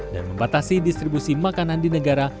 dan membatasi distribusi makanan di negara